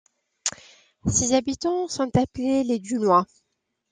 Ses habitants sont appelés les Dunois.